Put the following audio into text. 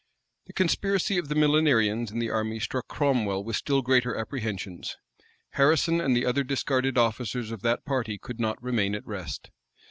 The conspiracy of the Millenarians in the army struck Cromwell with still greater apprehensions. Harrison and the other discarded officers of that party could not remain at rest.